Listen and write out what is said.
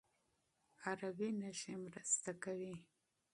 عربي نښې مرسته کوي.